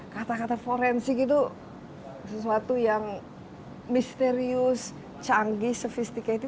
kata kata forensik itu sesuatu yang misterius canggih sophisticated